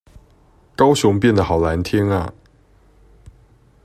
高雄變得好藍天阿